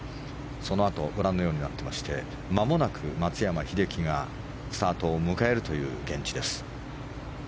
そのあとご覧のようになってましてまもなく松山英樹がスタートを迎えるという現地です。